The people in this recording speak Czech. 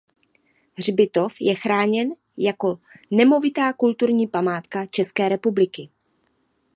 Hřbitov je chráněn jako nemovitá Kulturní památka České republiky.